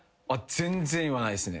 全然言わないっすね。